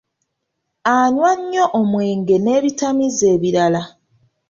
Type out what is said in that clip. Anywa nnyo omwenge n'ebitamiiza ebirala.